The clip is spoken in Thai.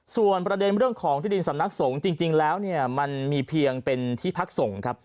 ส่วนประเด็นเรื่องของที่ดินสำนักสงฆ์จริงแล้วเนี่ยมันมีเพียงเป็นที่พักส่งครับ